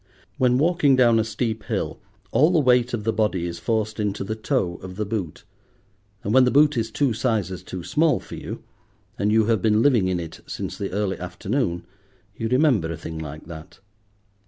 When walking down a steep hill all the weight of the body is forced into the toe of the boot, and when the boot is two sizes too small for you, and you have been living in it since the early afternoon, you remember a thing like that.